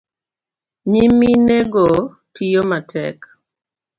Nyiminego tiyo matek